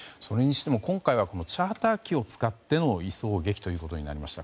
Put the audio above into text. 今回はチャーター機を使っての移送劇となりました。